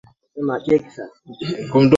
wa Amazon Maneno yake hayo yamewashangaza watu